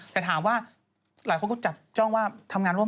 ไม่แต่ผู้หญิงคือผู้ชายสิ